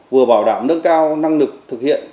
vừa bảo đảm nâng cao năng lực thực hiện